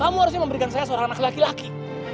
kamu harusnya memberikan saya seorang anak laki laki